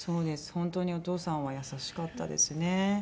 本当にお義父さんは優しかったですね。